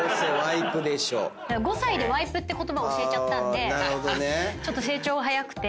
５歳でワイプって言葉教えちゃったんでちょっと成長が早くて。